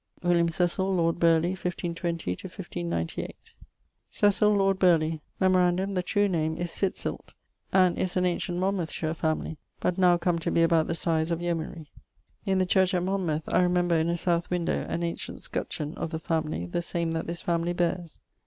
=William Cecil=, lord Burghley (1520 1598). Cecil, lord Burleigh: Memorandum, the true name is Sitsilt, and is an ancient Monmouthshire family, but now come to be about the size of yeomanry. In the church at Monmouth, I remember in a south windowe an ancient scutcheon of the family, the same that this family beares.